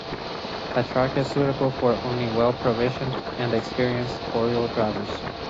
The track is suitable for only well-provisioned and experienced four-wheel drivers.